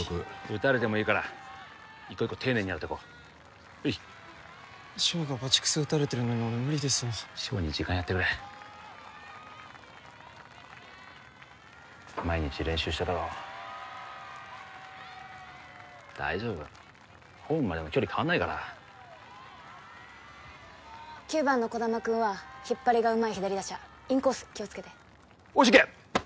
打たれてもいいから一個一個丁寧に狙っていこうはい翔がバチクソ打たれてるのに俺無理ですわ翔に時間やってくれ毎日練習してただろ大丈夫ホームまでの距離変わんないから９番の児玉くんは引っ張りがうまい左打者インコース気をつけておしいけ！